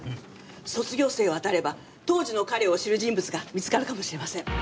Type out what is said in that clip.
卒業生を当たれば当時の彼を知る人物が見つかるかもしれません。